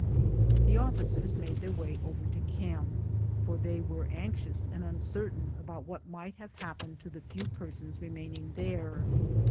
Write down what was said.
Tlie officers made .their way over to camp, for they were anxious and uncertain as to what might have hap pened to the few persons remaining there.